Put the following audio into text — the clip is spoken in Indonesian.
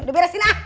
udah beresin ah